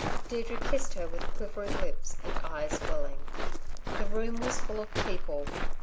Deirdre kissed her with quivering lips, and eyes welling. The room was full of people.